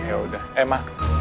yaudah eh ma